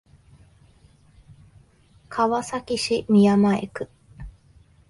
川崎市宮前区